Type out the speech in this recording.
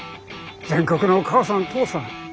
全国のお母さんお父さん